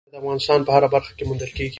ژمی د افغانستان په هره برخه کې موندل کېږي.